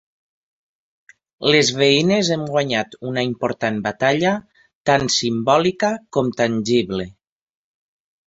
Les veïnes hem guanyat una important batalla tant simbòlica com tangible.